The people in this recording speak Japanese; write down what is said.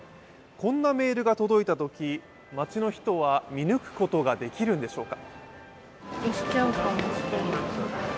こんなメールが届いたとき街の人は見抜くことができるんでしょうか。